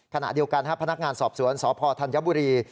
ขณะเดียวกันพนักงานสอบสวนสพธัญบุรี